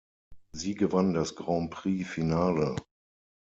Sie gewann das Grand-Prix-Finale.